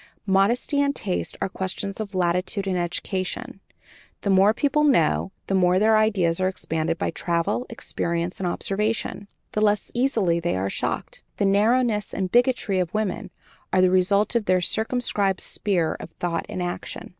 Modesty and taste are questions of latitude and education; the more people know, the more their ideas are expanded by travel, experience, and observation, the less easily they are shocked. The narrowness and bigotry of women are the result of their circumscribed sphere of thought and action.